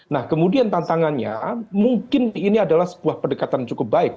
nah kemudian tantangannya mungkin ini adalah sebuah pendekatan cukup baik